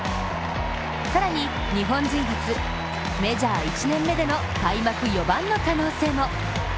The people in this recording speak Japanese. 更に、日本人初、メジャー１年目での開幕４番の可能性も。